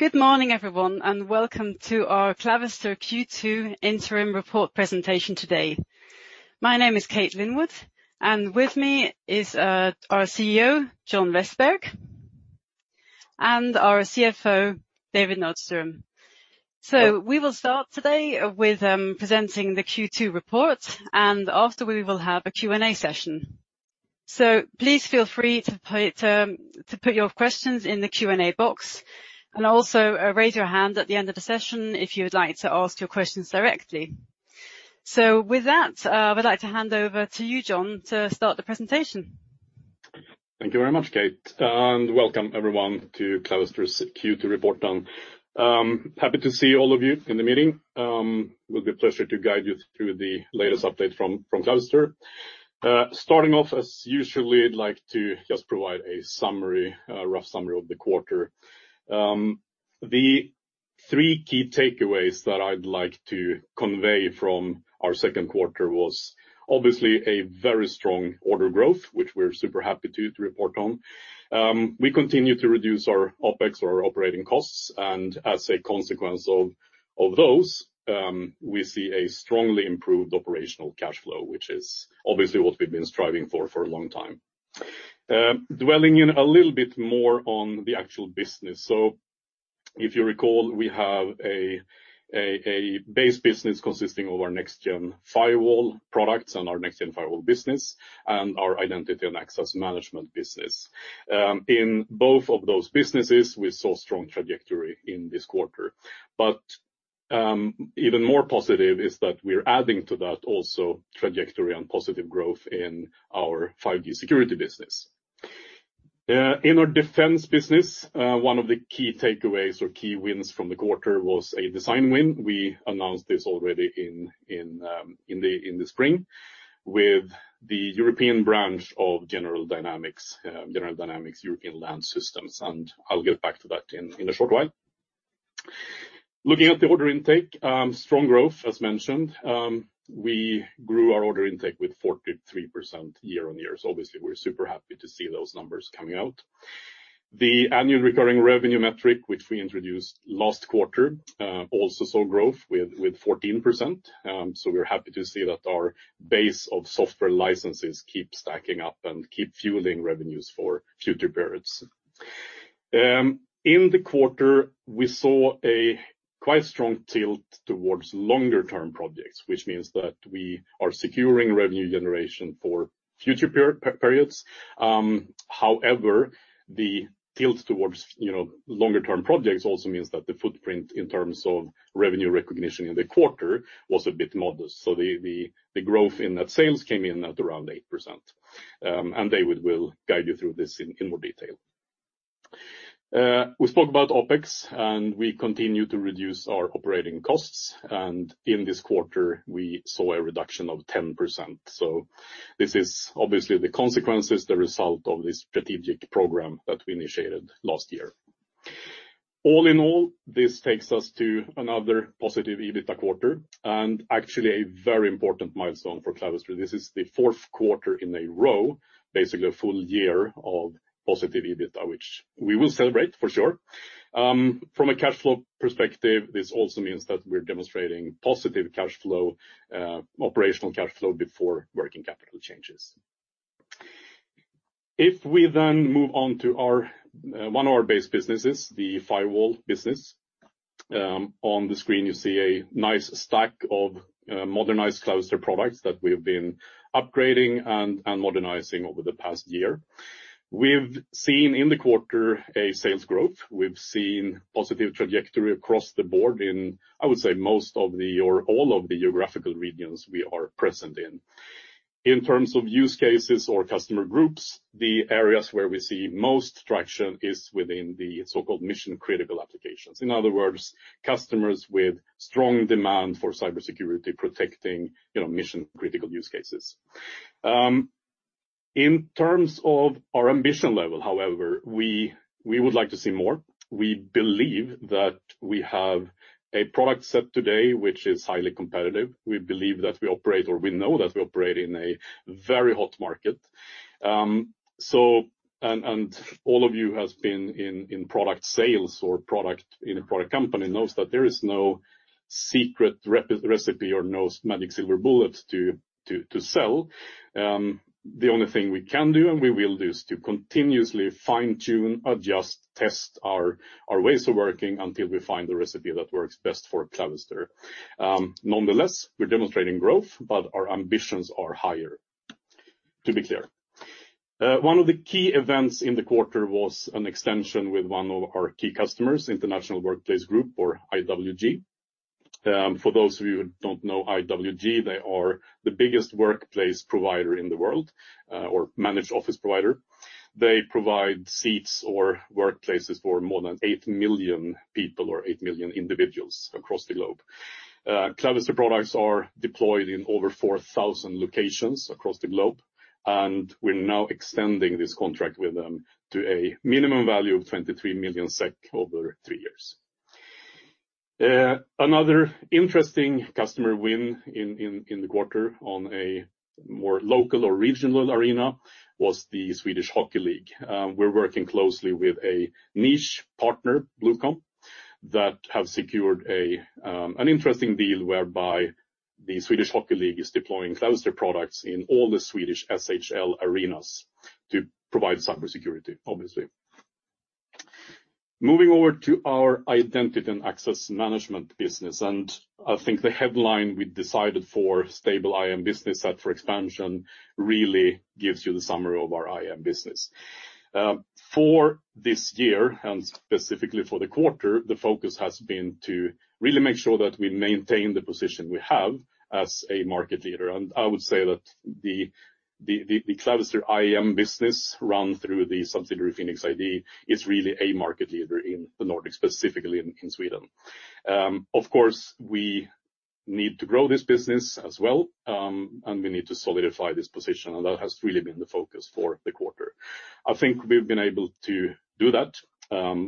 Good morning, everyone, and welcome to our Clavister Q2 interim report presentation today. My name is Kate Linwood, and with me is our CEO, John Vestberg, and our CFO, David Nordström. We will start today with presenting the Q2 report, and after, we will have a Q&A session. Please feel free to put your questions in the Q&A box, and also raise your hand at the end of the session if you would like to ask your questions directly. With that, I'd like to hand over to you, John, to start the presentation. Thank you very much, Kate, and welcome everyone to Clavister's Q2 report on. Happy to see all of you in the meeting. It will be a pleasure to guide you through the latest update from Clavister. Starting off, as usual, I'd like to just provide a summary, a rough summary of the quarter. The three key takeaways that I'd like to convey from our second quarter was obviously a very strong order growth, which we're super happy to report on. We continue to reduce our OpEx or operating costs, and as a consequence of those, we see a strongly improved operational cash flow, which is obviously what we've been striving for for a long time. Delving in a little bit more on the actual business. So if you recall, we have a base business consisting of our Next-Gen Firewall products and our Next-Gen Firewall business and our Identity and Access Management business. In both of those businesses, we saw strong trajectory in this quarter. But even more positive is that we're adding to that also trajectory and positive growth in our 5G security business. In our defense business, one of the key takeaways or key wins from the quarter was a design win. We announced this already in the spring with the European branch of General Dynamics, General Dynamics European Land Systems, and I'll get back to that in a short while. Looking at the order intake, strong growth, as mentioned. We grew our order intake with 43% year-on-year, so obviously, we're super happy to see those numbers coming out. The annual recurring revenue metric, which we introduced last quarter, also saw growth with 14%. So we're happy to see that our base of software licenses keep stacking up and keep fueling revenues for future periods. In the quarter, we saw a quite strong tilt towards longer-term projects, which means that we are securing revenue generation for future periods. However, the tilt towards, you know, longer term projects also means that the footprint in terms of revenue recognition in the quarter was a bit modest, so the growth in that sales came in at around 8%. And David will guide you through this in more detail. We spoke about OpEx, and we continue to reduce our operating costs, and in this quarter, we saw a reduction of 10%. So this is obviously the consequences, the result of this strategic program that we initiated last year. All in all, this takes us to another positive EBITDA quarter and actually a very important milestone for Clavister. This is the fourth quarter in a row, basically a full year of positive EBITDA, which we will celebrate for sure. From a cash flow perspective, this also means that we're demonstrating positive cash flow, operational cash flow before working capital changes. If we then move on to our, one of our base businesses, the firewall business, on the screen, you see a nice stack of, modernized Clavister products that we've been upgrading and, and modernizing over the past year. We've seen in the quarter a sales growth. We've seen positive trajectory across the board in, I would say, most of the or all of the geographical regions we are present in. In terms of use cases or customer groups, the areas where we see most traction is within the so-called mission-critical applications. In other words, customers with strong demand for cybersecurity, protecting, you know, mission-critical use cases. In terms of our ambition level, however, we would like to see more. We believe that we have a product set today which is highly competitive. We believe that we operate, or we know that we operate in a very hot market. So, all of you has been in product sales or product in a product company, knows that there is no secret recipe or no magic silver bullet to sell. The only thing we can do and we will do is to continuously fine-tune, adjust, test our ways of working until we find the recipe that works best for Clavister. Nonetheless, we're demonstrating growth, but our ambitions are higher, to be clear. One of the key events in the quarter was an extension with one of our key customers, International Workplace Group or IWG. For those of you who don't know IWG, they are the biggest workplace provider in the world, or managed office provider. They provide seats or workplaces for more than 8 million people or 8 million individuals across the globe. Clavister products are deployed in over 4,000 locations across the globe, and we're now extending this contract with them to a minimum value of 23 million SEK over three years.... Another interesting customer win in the quarter on a more local or regional arena was the Swedish Hockey League. We're working closely with a niche partner, Bluecom, that have secured an interesting deal whereby the Swedish Hockey League is deploying Clavister products in all the Swedish SHL arenas to provide cybersecurity, obviously. Moving over to our Identity and Access Management business, and I think the headline we decided for stable IAM business set for expansion really gives you the summary of our IAM business. For this year, and specifically for the quarter, the focus has been to really make sure that we maintain the position we have as a market leader. And I would say that the Clavister IAM business run through the subsidiary, PhenixID, is really a market leader in the Nordics, specifically in Sweden. Of course, we need to grow this business as well, and we need to solidify this position, and that has really been the focus for the quarter. I think we've been able to do that.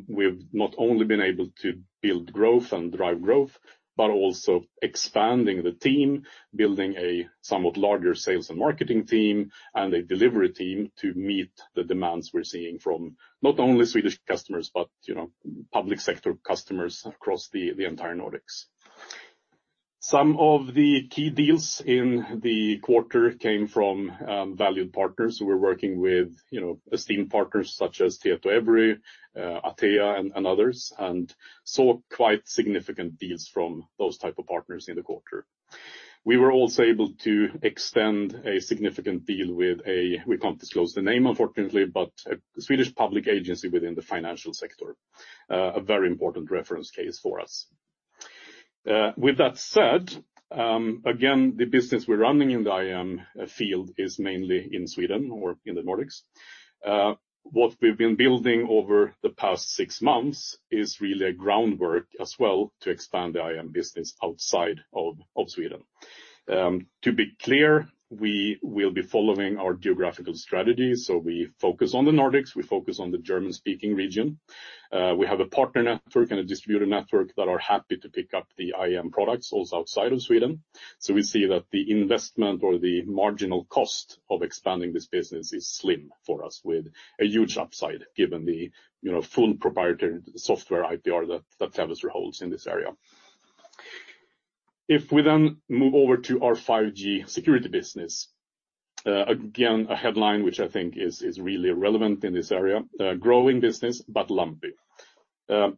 We've not only been able to build growth and drive growth, but also expanding the team, building a somewhat larger sales and marketing team and a delivery team to meet the demands we're seeing from not only Swedish customers, but, you know, public sector customers across the entire Nordics. Some of the key deals in the quarter came from valued partners who were working with, you know, esteemed partners such as Tietoevry, Atea, and others, and saw quite significant deals from those type of partners in the quarter. We were also able to extend a significant deal with a... We can't disclose the name, unfortunately, but a Swedish public agency within the financial sector, a very important reference case for us. With that said, again, the business we're running in the IAM field is mainly in Sweden or in the Nordics. What we've been building over the past six months is really a groundwork as well to expand the IAM business outside of, of Sweden. To be clear, we will be following our geographical strategy, so we focus on the Nordics, we focus on the German-speaking region. We have a partner network and a distributor network that are happy to pick up the IAM products also outside of Sweden. So we see that the investment or the marginal cost of expanding this business is slim for us, with a huge upside, given the, you know, full proprietary software IPR that Clavister holds in this area. If we then move over to our 5G security business, again, a headline which I think is really relevant in this area, "Growing business, but lumpy."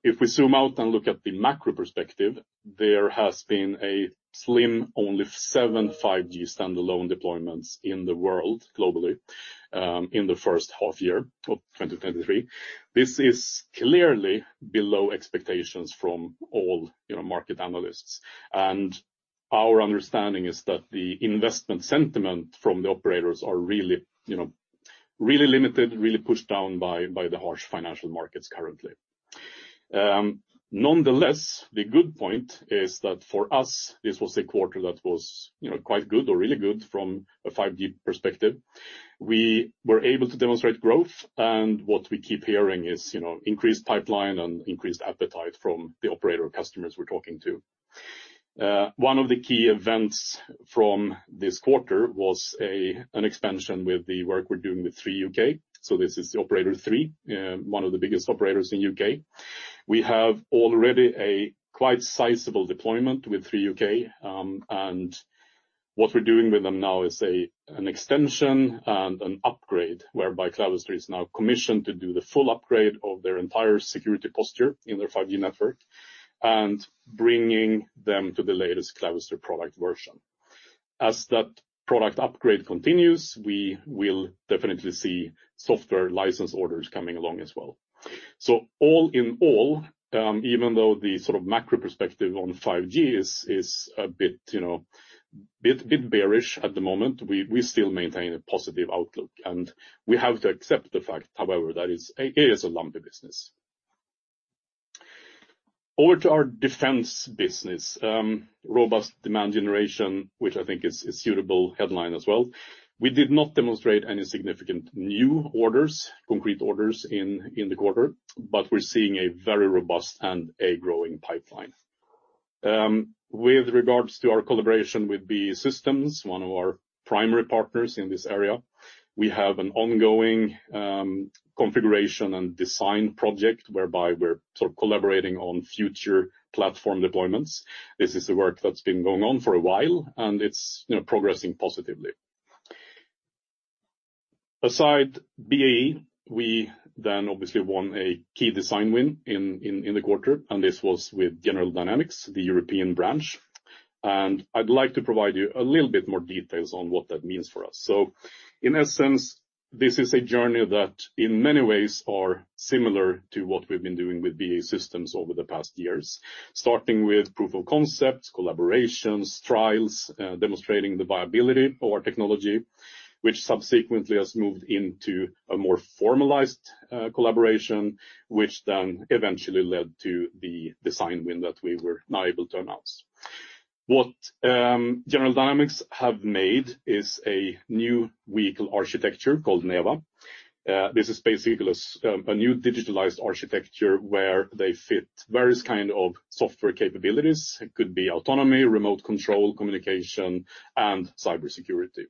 If we zoom out and look at the macro perspective, there has been a slim, only seven 5G Standalone deployments in the world globally, in the first half year of 2023. This is clearly below expectations from all, you know, market analysts, and our understanding is that the investment sentiment from the operators are really, you know, really limited, really pushed down by the harsh financial markets currently. Nonetheless, the good point is that for us, this was a quarter that was, you know, quite good or really good from a 5G perspective. We were able to demonstrate growth, and what we keep hearing is, you know, increased pipeline and increased appetite from the operator customers we're talking to. One of the key events from this quarter was an expansion with the work we're doing with Three UK. So this is the operator Three, one of the biggest operators in U.K. We have already a quite sizable deployment with Three UK, and what we're doing with them now is an extension and an upgrade, whereby Clavister is now commissioned to do the full upgrade of their entire security posture in their 5G network and bringing them to the latest Clavister product version. As that product upgrade continues, we will definitely see software license orders coming along as well. So all in all, even though the sort of macro perspective on 5G is a bit, you know, bit bearish at the moment, we still maintain a positive outlook, and we have to accept the fact, however, that it is a lumpy business. Over to our defense business, "Robust demand generation," which I think is a suitable headline as well. We did not demonstrate any significant new orders, concrete orders in the quarter, but we're seeing a very robust and a growing pipeline. With regards to our collaboration with BAE Systems, one of our primary partners in this area, we have an ongoing configuration and design project whereby we're sort of collaborating on future platform deployments. This is the work that's been going on for a while, and it's, you know, progressing positively. Aside BAE, we then obviously won a key design win in the quarter, and this was with General Dynamics, the European branch, and I'd like to provide you a little bit more details on what that means for us. So in essence, this is a journey that in many ways are similar to what we've been doing with BAE Systems over the past years, starting with proof of concepts, collaborations, trials, demonstrating the viability of our technology, which subsequently has moved into a more formalized collaboration, which then eventually led to the design win that we were now able to announce. What General Dynamics have made is a new vehicle architecture called NEVA. This is basically a new digitalized architecture where they fit various kind of software capabilities. It could be autonomy, remote control, communication, and cybersecurity.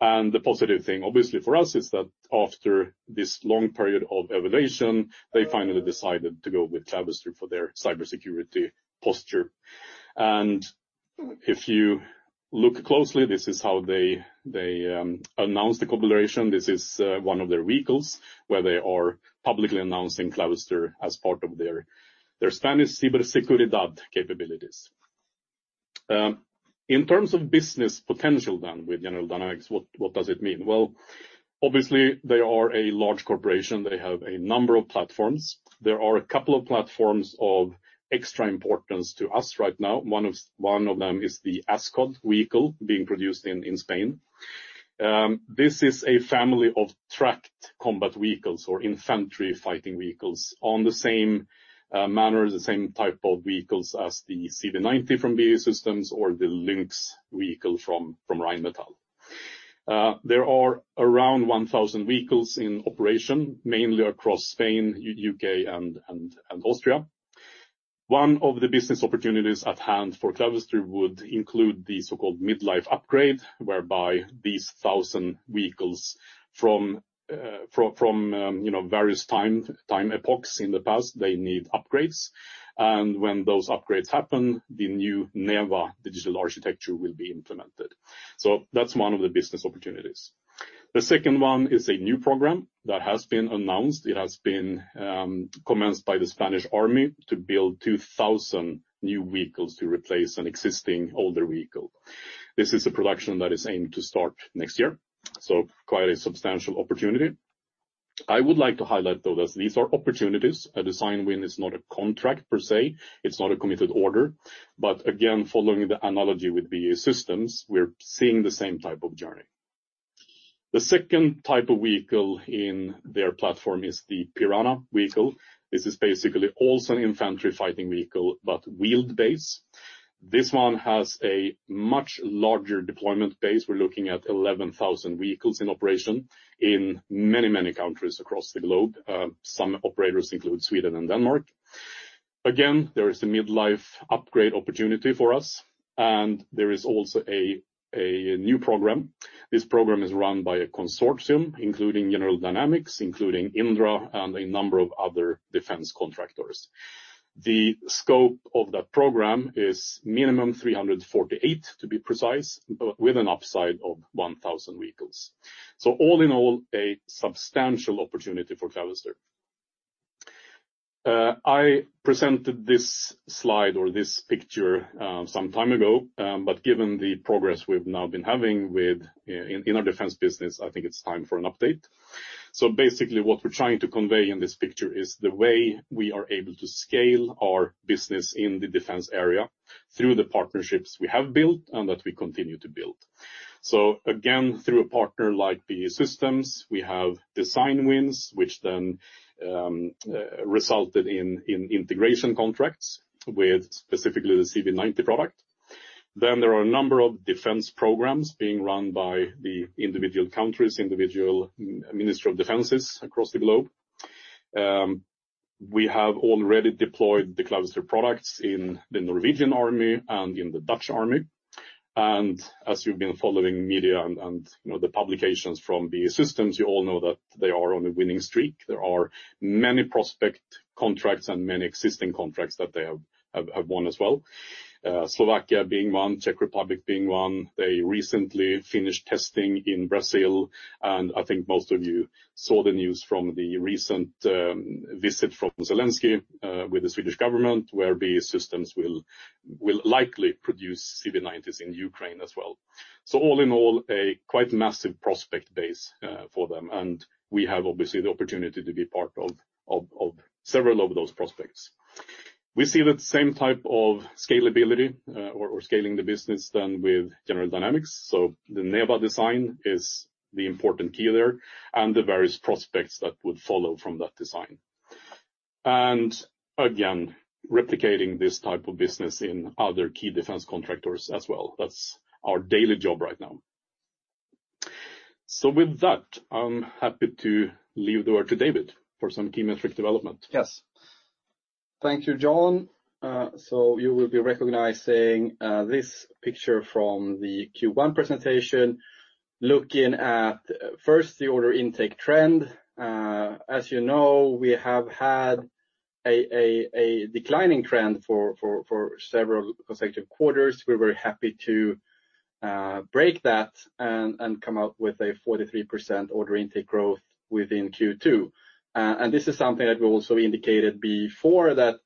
And the positive thing, obviously, for us, is that after this long period of evaluation, they finally decided to go with Clavister for their cybersecurity posture. And if you look closely, this is how they announced the collaboration. This is one of their vehicles, where they are publicly announcing Clavister as part of their Spanish cybersecurity capabilities. In terms of business potential, then, with General Dynamics, what does it mean? Well, obviously, they are a large corporation. They have a number of platforms. There are a couple of platforms of extra importance to us right now. One of them is the ASCOD vehicle being produced in Spain. This is a family of tracked combat vehicles or infantry fighting vehicles on the same manner, the same type of vehicles as the CV90 from BAE Systems or the Lynx vehicle from Rheinmetall. There are around 1,000 vehicles in operation, mainly across Spain, U.K., and Austria. One of the business opportunities at hand for Clavister would include the so-called midlife upgrade, whereby these thousand vehicles from various time epochs in the past, you know, they need upgrades, and when those upgrades happen, the new Neva digital architecture will be implemented. So that's one of the business opportunities. The second one is a new program that has been announced. It has been commenced by the Spanish Army to build 2,000 new vehicles to replace an existing older vehicle. This is a production that is aimed to start next year, so quite a substantial opportunity. I would like to highlight, though, that these are opportunities. A design win is not a contract per se, it's not a committed order. But again, following the analogy with BAE Systems, we're seeing the same type of journey. The second type of vehicle in their platform is the Piranha vehicle. This is basically also an infantry fighting vehicle, but wheeled base. This one has a much larger deployment base. We're looking at 11,000 vehicles in operation in many, many countries across the globe. Some operators include Sweden and Denmark. Again, there is a midlife upgrade opportunity for us, and there is also a new program. This program is run by a consortium, including General Dynamics, including Indra, and a number of other defense contractors. The scope of that program is minimum 348, to be precise, but with an upside of 1,000 vehicles. So all in all, a substantial opportunity for Clavister. I presented this slide or this picture some time ago, but given the progress we've now been having with, in our defense business, I think it's time for an update. So basically, what we're trying to convey in this picture is the way we are able to scale our business in the defense area through the partnerships we have built and that we continue to build. So again, through a partner like BAE Systems, we have design wins, which then resulted in integration contracts with specifically the CV90 product. Then there are a number of defense programs being run by the individual countries, individual ministries of defense across the globe. We have already deployed the Clavister products in the Norwegian Army and in the Dutch Army. As you've been following media and you know, the publications from BAE Systems, you all know that they are on a winning streak. There are many prospective contracts and many existing contracts that they have won as well. Slovakia being one, Czech Republic being one. They recently finished testing in Brazil, and I think most of you saw the news from the recent visit from Zelensky with the Swedish government, where BAE Systems will likely produce CV90s in Ukraine as well. All in all, a quite massive prospective base for them, and we have obviously the opportunity to be part of several of those prospects. We see that same type of scalability or scaling the business than with General Dynamics. So the NEVA design is the important key there and the various prospects that would follow from that design. Again, replicating this type of business in other key defense contractors as well. That's our daily job right now. So with that, I'm happy to leave the word to David for some key metric development. Yes. Thank you, John. So you will be recognizing this picture from the Q1 presentation, looking at, first, the order intake trend. As you know, we have had a declining trend for several consecutive quarters. We're very happy to break that and come out with a 43% order intake growth within Q2. And this is something that we also indicated before, that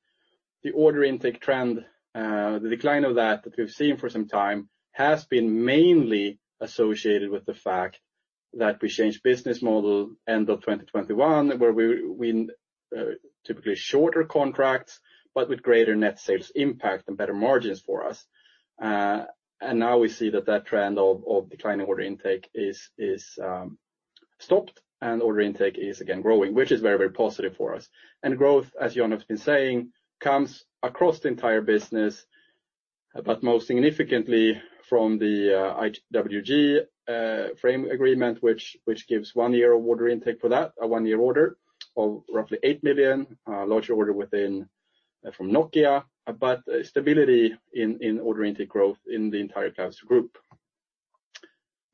the order intake trend, the decline of that that we've seen for some time, has been mainly associated with the fact that we changed business model end of 2021, where we typically shorter contracts, but with greater net sales impact and better margins for us. And now we see that that trend of declining order intake is... stopped, and order intake is again growing, which is very, very positive for us. Growth, as John has been saying, comes across the entire business, but most significantly from the IWG frame agreement, which gives one year of order intake for that, a one-year order of roughly 8 million, larger order within from Nokia. But stability in order intake growth in the entire Clavister Group.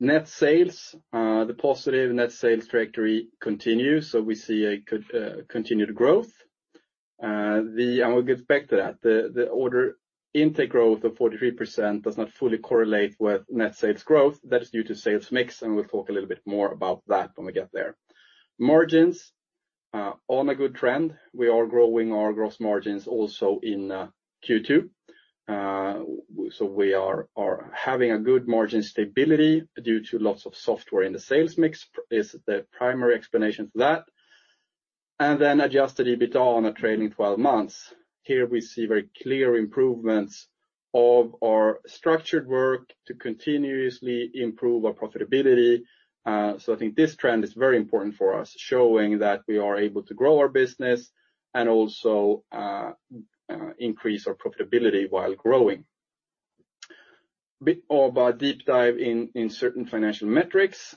Net sales, the positive net sales trajectory continues, so we see a continued growth. And we'll get back to that. The order intake growth of 43% does not fully correlate with net sales growth. That is due to sales mix, and we'll talk a little bit more about that when we get there. Margins on a good trend. We are growing our gross margins also in Q2. So we are having a good margin stability due to lots of software in the sales mix, is the primary explanation for that. Then adjusted EBITDA on a trailing twelve months. Here we see very clear improvements of our structured work to continuously improve our profitability. So I think this trend is very important for us, showing that we are able to grow our business and also increase our profitability while growing. Bit of a deep dive in certain financial metrics,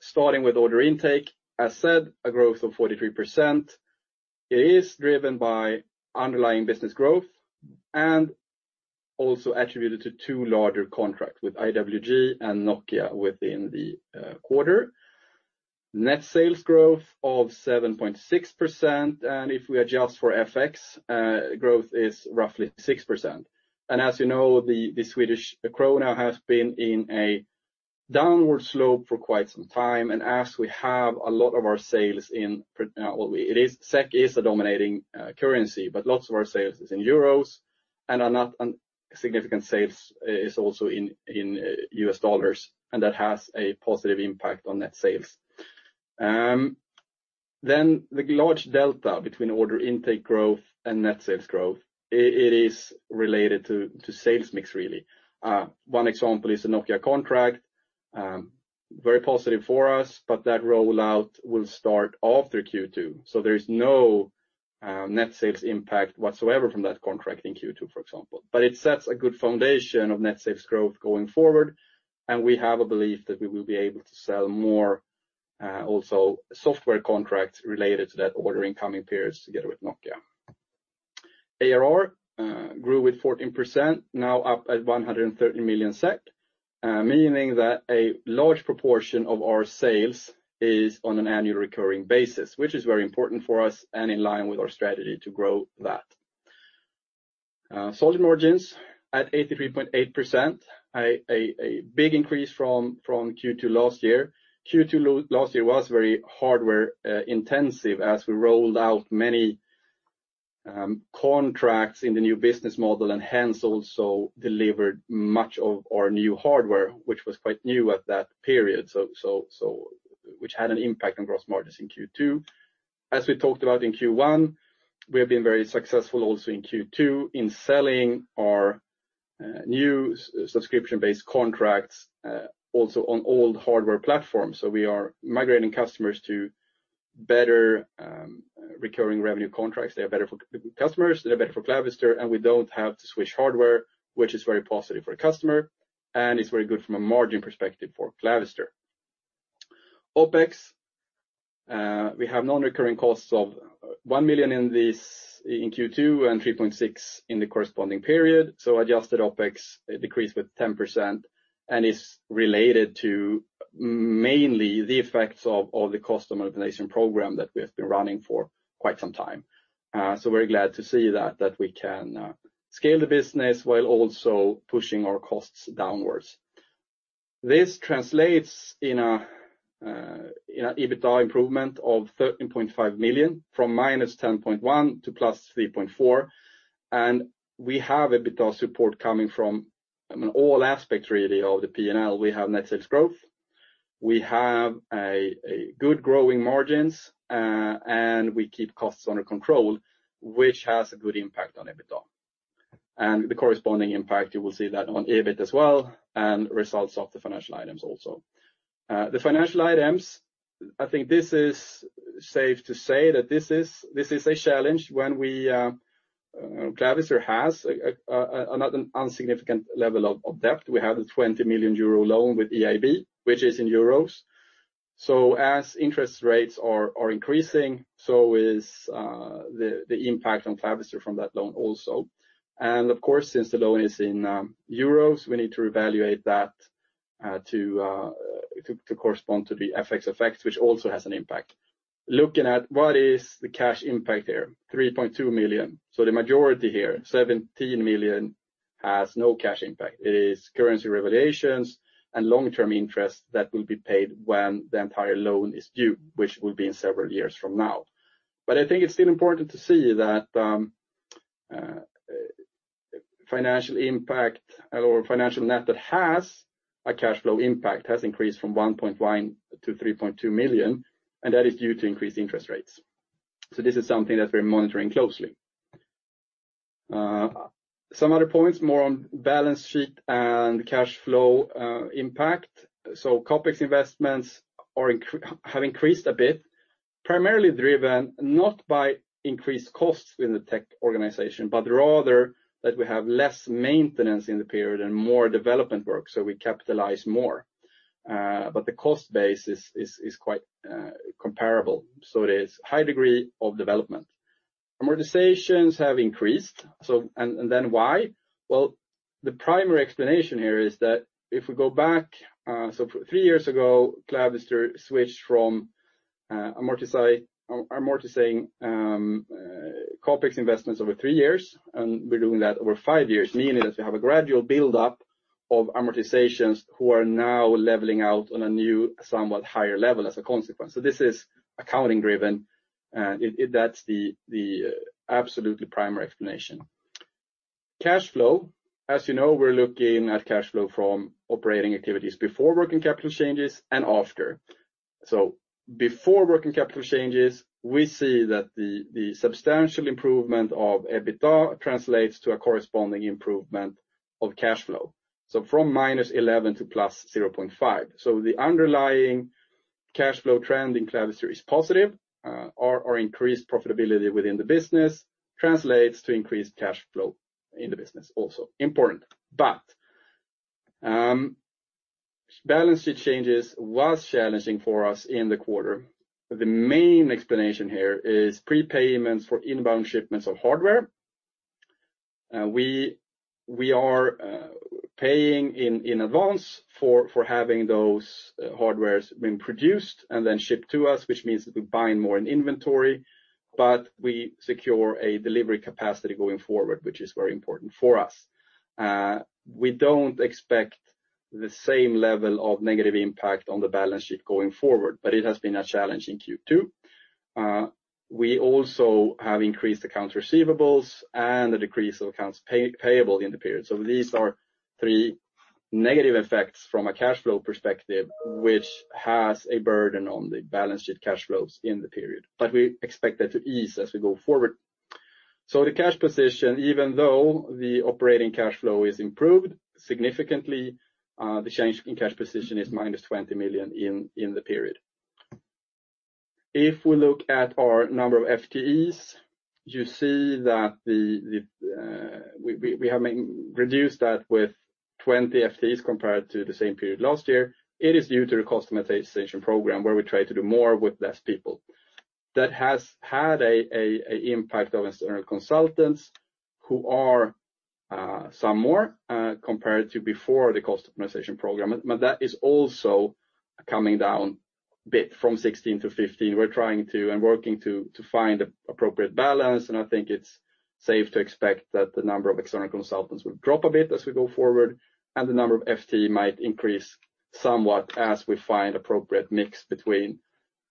starting with order intake. As said, a growth of 43%. It is driven by underlying business growth and also attributed to two larger contracts with IWG and Nokia within the quarter. Net sales growth of 7.6%, and if we adjust for FX, growth is roughly 6%. As you know, the Swedish krona has been in a downward slope for quite some time, and as we have a lot of our sales in, well, SEK is a dominating currency, but lots of our sales is in euros and are not... And significant sales is also in U.S. dollars, and that has a positive impact on net sales. Then the large delta between order intake growth and net sales growth, it is related to sales mix, really. One example is the Nokia contract. Very positive for us, but that rollout will start after Q2, so there is no net sales impact whatsoever from that contract in Q2, for example. But it sets a good foundation of net sales growth going forward, and we have a belief that we will be able to sell more, also software contracts related to that order in coming periods together with Nokia. ARR grew with 14%, now up at 130 million SEK, meaning that a large proportion of our sales is on an annual recurring basis, which is very important for us and in line with our strategy to grow that. Selling margins at 83.8%, a big increase from Q2 last year. Q2 last year was very hardware intensive as we rolled out many contracts in the new business model, and hence also delivered much of our new hardware, which was quite new at that period, which had an impact on gross margins in Q2. As we talked about in Q1, we have been very successful also in Q2 in selling our new subscription-based contracts also on old hardware platforms. So we are migrating customers to better recurring revenue contracts. They are better for customers, they are better for Clavister, and we don't have to switch hardware, which is very positive for a customer, and it's very good from a margin perspective for Clavister. OpEx we have non-recurring costs of 1 million in Q2 and 3.6 in the corresponding period. So adjusted OpEx decreased with 10% and is related to mainly the effects of the cost optimization program that we have been running for quite some time. So we're glad to see that we can scale the business while also pushing our costs downwards. This translates in a EBITDA improvement of 13.5 million, from -10.1 million to +3.4 million. And we have EBITDA support coming from, I mean, all aspects, really, of the P&L. We have net sales growth, we have a good growing margins, and we keep costs under control, which has a good impact on EBITDA. And the corresponding impact, you will see that on EBIT as well, and results of the financial items also. The financial items, I think this is safe to say that this is a challenge when we Clavister has an insignificant level of debt. We have a 20 million euro loan with EIB, which is in euros. So as interest rates are increasing, so is the impact on Clavister from that loan also. And of course, since the loan is in euros, we need to revalue that to correspond to the FX effect, which also has an impact. Looking at what is the cash impact here? 3.2 million. So the majority here, 17 million, has no cash impact. It is currency revaluations and long-term interest that will be paid when the entire loan is due, which will be in several years from now. But I think it's still important to see that, financial impact or financial net that has a cash flow impact has increased from 1.1 million to 3.2 million, and that is due to increased interest rates. So this is something that we're monitoring closely. Some other points more on balance sheet and cash flow impact. So CapEx investments have increased a bit, primarily driven not by increased costs in the tech organization, but rather that we have less maintenance in the period and more development work, so we capitalize more. But the cost base is quite comparable, so it is high degree of development. Amortizations have increased, so and then why? Well, the primary explanation here is that if we go back, so 3 years ago, Clavister switched from amortizing CapEx investments over 3 years, and we're doing that over 5 years, meaning that we have a gradual buildup of amortizations who are now leveling out on a new, somewhat higher level as a consequence. So this is accounting-driven, and it. That's the absolutely primary explanation. Cash flow. As you know, we're looking at cash flow from operating activities before working capital changes and after. So before working capital changes, we see that the substantial improvement of EBITDA translates to a corresponding improvement of cash flow, so from -11 to +0.5. So the underlying cash flow trend in Clavister is positive, our increased profitability within the business translates to increased cash flow in the business also. Important, but balance sheet changes was challenging for us in the quarter, but the main explanation here is prepayments for inbound shipments of hardware. We are paying in advance for having those hardwares being produced and then shipped to us, which means that we bind more in inventory, but we secure a delivery capacity going forward, which is very important for us. We don't expect the same level of negative impact on the balance sheet going forward, but it has been a challenge in Q2. We also have increased accounts receivables and a decrease of accounts payable in the period. So these are three negative effects from a cash flow perspective, which has a burden on the balance sheet cash flows in the period, but we expect that to ease as we go forward. So the cash position, even though the operating cash flow is improved significantly, the change in cash position is -20 million in the period. If we look at our number of FTEs, you see that we have reduced that with 20 FTEs compared to the same period last year. It is due to the cost minimization program, where we try to do more with less people. That has had an impact on external consultants who are some more compared to before the cost optimization program, but that is also coming down a bit from 16 to 15. We're trying to work to find the appropriate balance, and I think it's safe to expect that the number of external consultants will drop a bit as we go forward, and the number of FTE might increase somewhat as we find appropriate mix between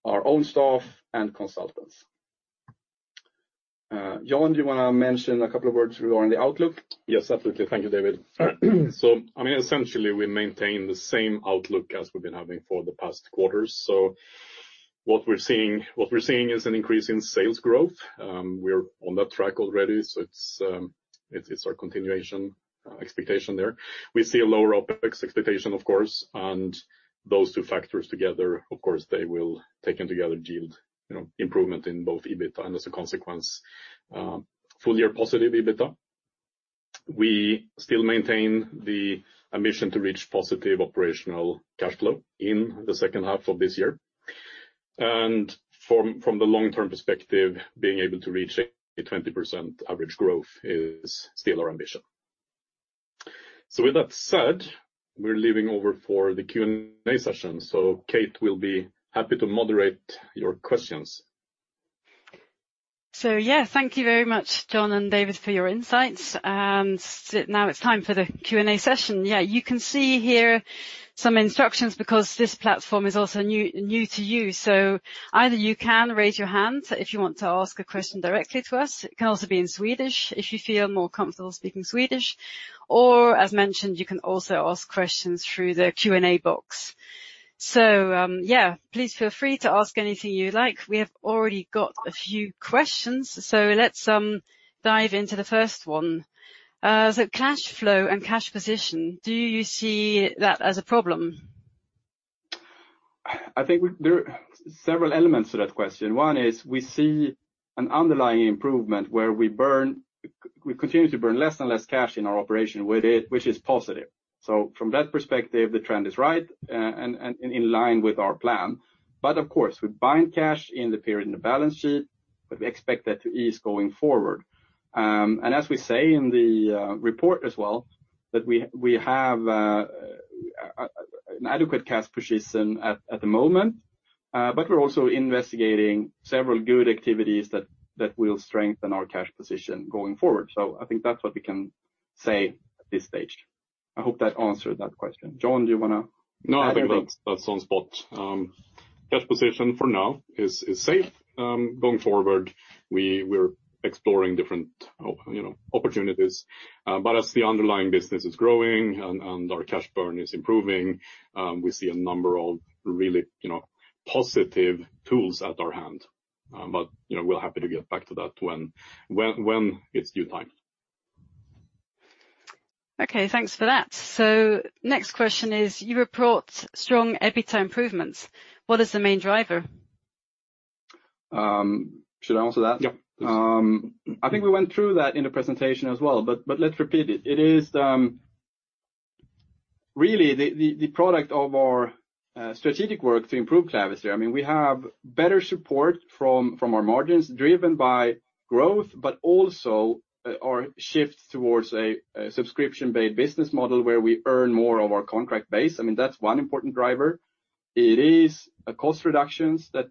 our own staff and consultants. John, do you want to mention a couple of words regarding the outlook? Yes, absolutely. Thank you, David. So, I mean, essentially, we maintain the same outlook as we've been having for the past quarters. So what we're seeing is an increase in sales growth. We're on that track already, so it's our continuation expectation there. We see a lower OpEx expectation, of course, and those two factors together, of course, they will, taken together, yield, you know, improvement in both EBITDA and, as a consequence, full-year positive EBITDA. We still maintain the ambition to reach positive operational cash flow in the second half of this year. And from the long-term perspective, being able to reach a 20% average growth is still our ambition. So with that said, we're leaving over for the Q&A session, so Kate will be happy to moderate your questions. So yeah, thank you very much, John and David, for your insights, and now it's time for the Q&A session. Yeah, you can see here some instructions because this platform is also new, new to you. So either you can raise your hand if you want to ask a question directly to us, it can also be in Swedish, if you feel more comfortable speaking Swedish, or as mentioned, you can also ask questions through the Q&A box. So, yeah, please feel free to ask anything you like. We have already got a few questions, so let's dive into the first one. So cash flow and cash position, do you see that as a problem? I think there are several elements to that question. One is we see an underlying improvement where we burn... We continue to burn less and less cash in our operation with it, which is positive. So from that perspective, the trend is right, and in line with our plan. But of course, we bind cash in the period in the balance sheet, but we expect that to ease going forward. And as we say in the report as well, that we have an adequate cash position at the moment, but we're also investigating several good activities that will strengthen our cash position going forward. So I think that's what we can say at this stage. I hope that answered that question. John, do you wanna add anything? No, I think that's on spot. Cash position for now is safe. Going forward, we're exploring different, you know, opportunities. But as the underlying business is growing and our cash burn is improving, we see a number of really, you know, positive tools at our hand. But, you know, we're happy to get back to that when it's due time. ... Okay, thanks for that. So next question is: you report strong EBITDA improvements. What is the main driver? Should I answer that? Yeah. I think we went through that in the presentation as well, but let's repeat it. It is really the product of our strategic work to improve Clavister. I mean, we have better support from our margins, driven by growth, but also our shift towards a subscription-based business model, where we earn more of our contract base. I mean, that's one important driver. It is cost reductions that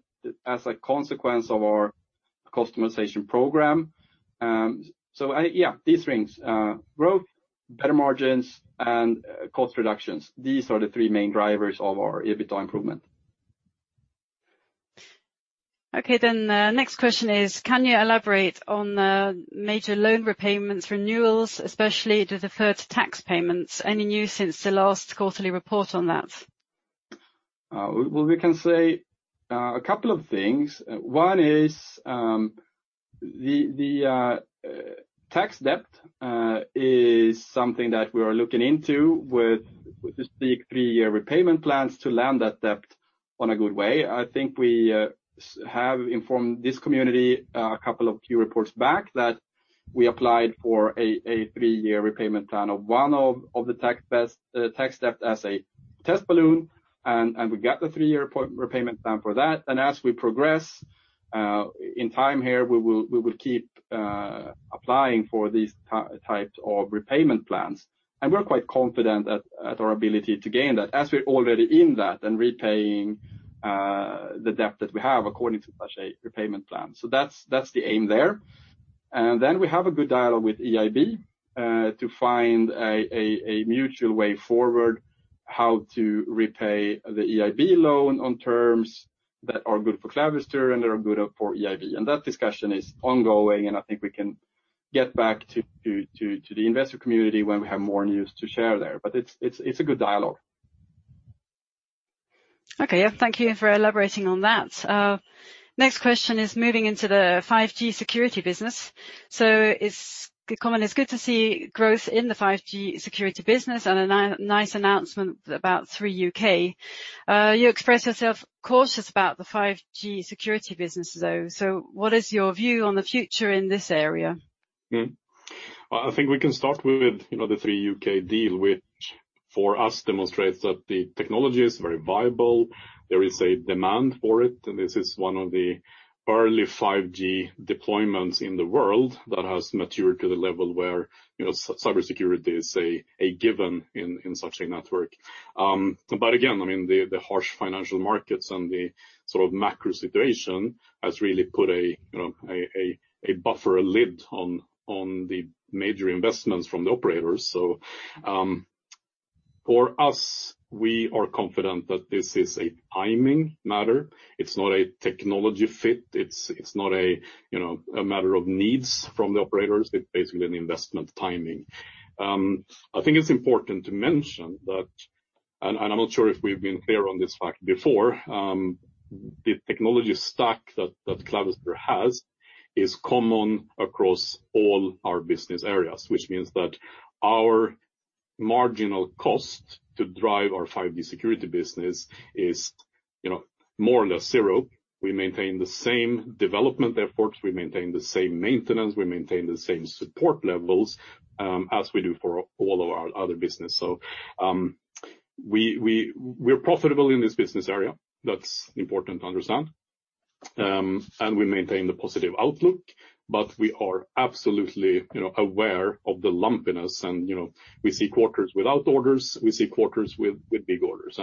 as a consequence of our cost minimization program. So yeah, these things, growth, better margins, and cost reductions. These are the three main drivers of our EBITDA improvement. Okay, then the next question is: can you elaborate on the major loan repayments, renewals, especially the deferred tax payments? Any news since the last quarterly report on that? Well, we can say a couple of things. One is, the tax debt is something that we are looking into with the three-year repayment plans to land that debt on a good way. I think we have informed this community a couple of Q reports back that we applied for a three-year repayment plan of one of the tax debt as a test balloon, and we got the three-year repayment plan for that. And as we progress in time here, we will keep applying for these types of repayment plans. And we're quite confident at our ability to gain that, as we're already in that and repaying the debt that we have according to such a repayment plan. So that's the aim there. Then we have a good dialogue with EIB to find a mutual way forward, how to repay the EIB loan on terms that are good for Clavister and are good for EIB. That discussion is ongoing, and I think we can get back to the investor community when we have more news to share there, but it's a good dialogue. Okay. Yeah, thank you for elaborating on that. Next question is moving into the 5G security business. So it's common... It's good to see growth in the 5G security business and a nice announcement about Three UK. You express yourself cautious about the 5G security business, though. So what is your view on the future in this area? Mm-hmm. I think we can start with, you know, the Three UK deal, which for us, demonstrates that the technology is very viable. There is a demand for it, and this is one of the early 5G deployments in the world that has matured to the level where, you know, cybersecurity is a given in such a network. But again, I mean, the harsh financial markets and the sort of macro situation has really put a, you know, a buffer, a lid on the major investments from the operators. So, for us, we are confident that this is a timing matter. It's not a technology fit, it's not a matter of needs from the operators. It's basically an investment timing. I think it's important to mention that, and I'm not sure if we've been clear on this fact before, the technology stack that Clavister has is common across all our business areas, which means that our marginal cost to drive our 5G security business is, you know, more or less zero. We maintain the same development efforts, we maintain the same maintenance, we maintain the same support levels, as we do for all of our other business. So, we're profitable in this business area. That's important to understand. And we maintain the positive outlook, but we are absolutely, you know, aware of the lumpiness, and, you know, we see quarters without orders, we see quarters with big orders.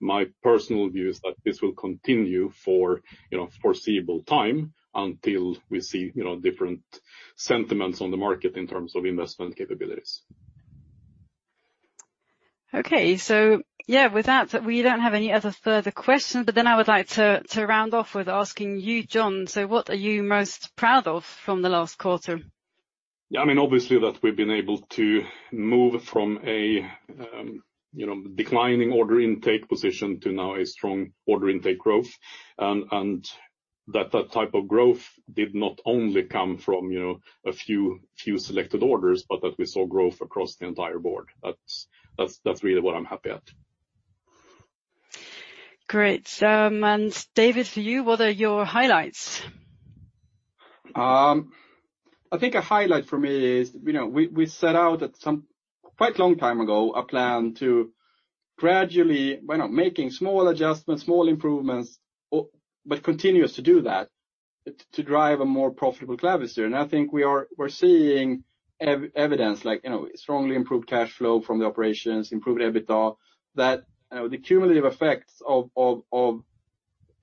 My personal view is that this will continue for, you know, foreseeable time until we see, you know, different sentiments on the market in terms of investment capabilities. Okay, so yeah, with that, we don't have any other further questions, but then I would like to round off with asking you, John, so what are you most proud of from the last quarter? Yeah, I mean, obviously, that we've been able to move from a, you know, declining order intake position to now a strong order intake growth, and that type of growth did not only come from, you know, a few selected orders, but that we saw growth across the entire board. That's really what I'm happy at. Great. And David, for you, what are your highlights? I think a highlight for me is, you know, we set out some quite long time ago a plan to gradually, well, not making small adjustments, small improvements, or but continuous to do that, to drive a more profitable Clavister. And I think we're seeing evidence like, you know, strongly improved cash flow from the operations, improved EBITDA, that, you know, the cumulative effects of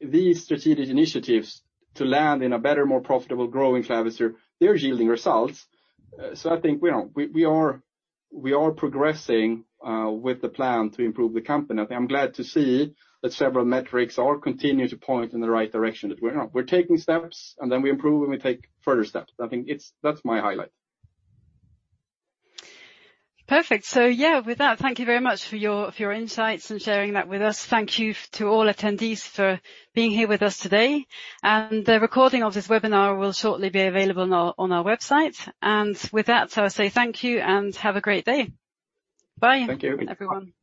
these strategic initiatives to land in a better, more profitable growing Clavister; they're yielding results. So I think, you know, we are progressing with the plan to improve the company. I'm glad to see that several metrics are continuing to point in the right direction. That we're taking steps, and then we improve, and we take further steps. I think it's... that's my highlight. Perfect. So yeah, with that, thank you very much for your insights and sharing that with us. Thank you to all attendees for being here with us today, and a recording of this webinar will shortly be available on our website. And with that, I say thank you and have a great day. Bye- Thank you. -everyone.